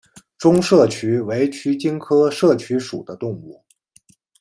中麝鼩为鼩鼱科麝鼩属的动物。